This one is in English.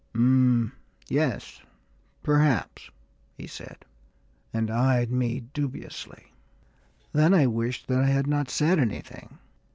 "Um yes, perhaps," he said, and eyed me dubiously. Then I wished that I had not said anything.